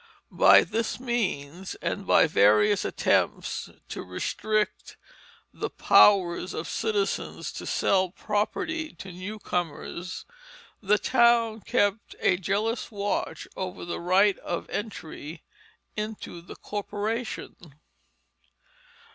By this means, and by various attempts to restrict the powers of citizens to sell property to newcomers, the town kept a jealous watch over the right of entry into the corporation.